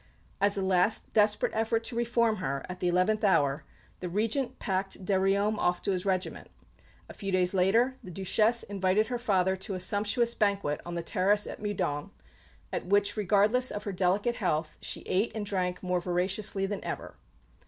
As a last desperate effort to reform her, at the eleventh hour, the Regent packed de Riom off to his regiment. A few days later, the Duchesse invited her father to a sumptuous banquet on the terrace at Meudon, at which, regardless of her delicate health, she ate and drank more voraciously than ever.